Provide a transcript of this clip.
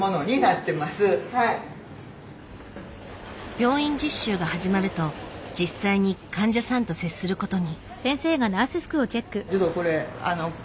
病院実習が始まると実際に患者さんと接することに。